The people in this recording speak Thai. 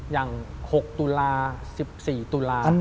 อย่าง๖ตุลา๑๔ตุลา